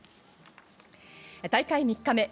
大会３日目。